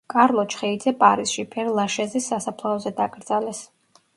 კარლო ჩხეიძე პარიზში, პერ-ლაშეზის სასაფლაოზე დაკრძალეს.